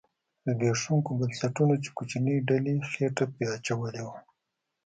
زبېښوونکو بنسټونو چې کوچنۍ ډلې خېټه پرې اچولې وه